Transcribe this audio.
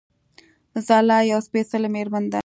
ځلا يوه سپېڅلې مېرمن ده